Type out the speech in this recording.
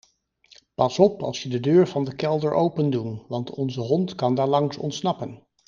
Pas op als je de deur van de kelder opendoen want onze hond kan daarlangs ontsnappen.